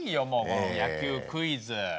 もう野球クイズ。